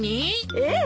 ええ。